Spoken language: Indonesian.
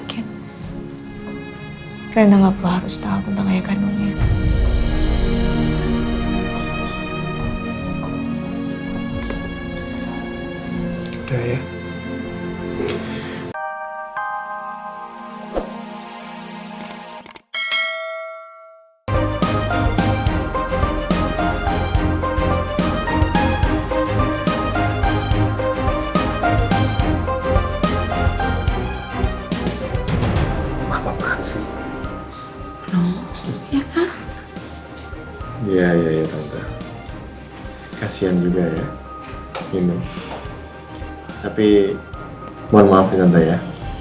sampai jumpa di video selanjutnya